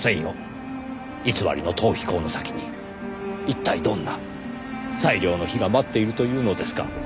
偽りの逃避行の先に一体どんな最良の日が待っているというのですか？